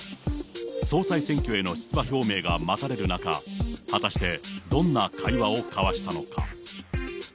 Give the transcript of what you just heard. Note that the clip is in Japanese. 総裁選挙への出馬表明が待たれる中、果たしてどんな会話を交わしたのか。